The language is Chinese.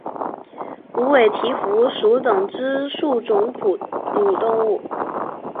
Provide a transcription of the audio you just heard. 无尾蹄蝠属等之数种哺乳动物。